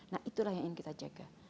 nah itulah yang ingin kita jaga